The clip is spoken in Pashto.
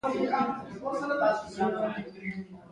د خوست په باک کې د ګچ نښې شته.